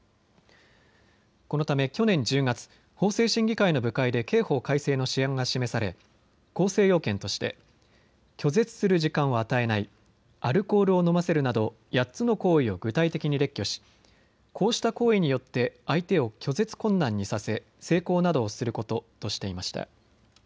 このため去年１０月、法制審議会の部会で刑法改正の試案が示され構成要件として拒絶する時間を与えない、アルコールを飲ませるなど８つの行為を具体的に列挙しこうした行為によって相手を拒絶困難にさせ性交などをすることとしていました。